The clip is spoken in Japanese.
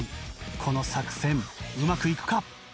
この作戦うまくいくか？